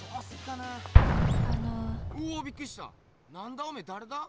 なんだおめぇだれだ？